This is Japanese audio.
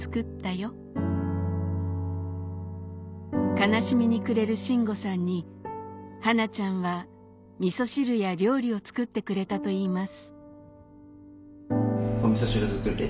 悲しみに暮れる信吾さんにはなちゃんはみそ汁や料理を作ってくれたといいます